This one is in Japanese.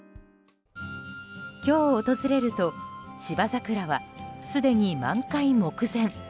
今日訪れると芝桜は、すでに満開目前。